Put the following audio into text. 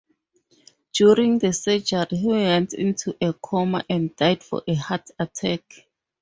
During the surgery, he went into a coma and died of a heart attack.